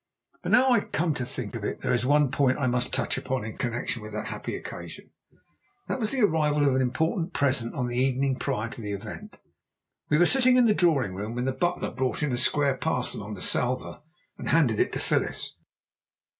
But now I come to think of it, there is one point I must touch upon in connexion with that happy occasion, and that was the arrival of an important present on the evening prior to the event. We were sitting in the drawing room when the butler brought in a square parcel on a salver and handed it to Phyllis.